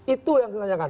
itu yang ditanyakan